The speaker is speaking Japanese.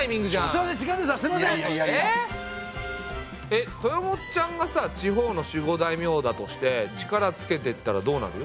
えっ豊本ちゃんがさ地方の守護大名だとして力つけてったらどうなる？